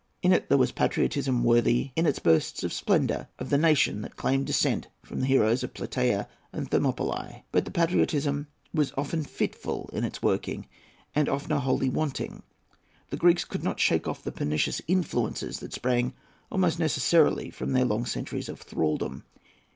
In it there was patriotism worthy, in its bursts of splendour, of the nation that claimed descent from the heroes of Plataea and Thermopylae. But the patriotism was often fitful in its working, and oftener wholly wanting. The Greeks could not shake off the pernicious influences that sprang, almost necessarily, from their long centuries of thraldom.